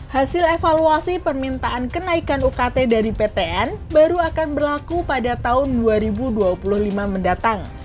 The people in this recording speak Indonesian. hasil evaluasi permintaan kenaikan ukt dari ptn baru akan berlaku pada tahun dua ribu dua puluh lima mendatang